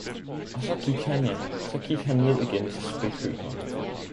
Og så gik han ja, så gik han ned igen til spækhøkeren